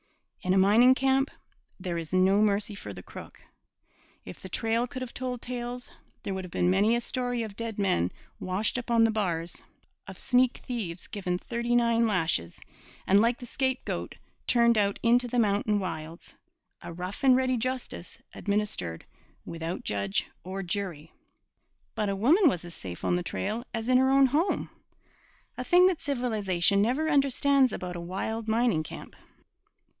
In a mining camp there is no mercy for the crook. If the trail could have told tales, there would have been many a story of dead men washed up on the bars, of sneak thieves given thirty nine lashes and like the scapegoat turned out into the mountain wilds a rough and ready justice administered without judge or jury. But a woman was as safe on the trail as in her own home a thing that civilization never understands about a wild mining camp.